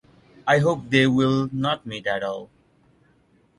I hope they will not meet at all.